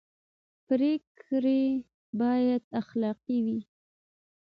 پرېکړې باید اخلاقي وي